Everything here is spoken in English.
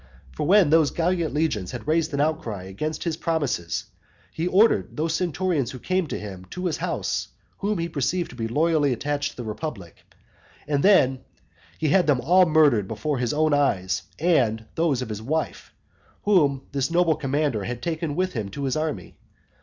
For when those gallant legions had raised an outcry against his promises, he ordered those centurions to come to him to his house, whom he perceived to be loyally attached to the republic, and then he had them all murdered before his own eyes and those of his wife, whom this noble commander had taken with him to the army.